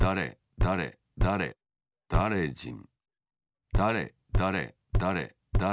「だれだれだれじん」